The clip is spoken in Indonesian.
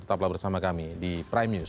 tetaplah bersama kami di prime news